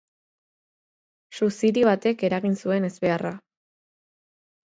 Suziri batek eragin zuen ezbeharra.